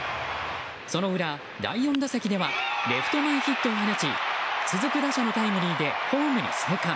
その裏第４打席ではレフト前ヒットを放ち続く打者のタイムリーでホームに生還。